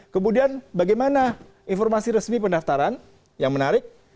kemudian bagaimana informasi resmi pendaftaran yang menarik